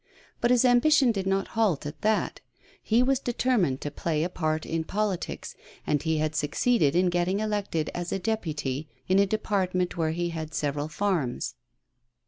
But his ambition did not halt at that ; he was determined to play a part in politics, and he had suc ceeded in getting elected as a deputy in a department where he had several farms.